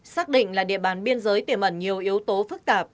xác định là địa bàn biên giới tiềm ẩn nhiều yếu tố phức tạp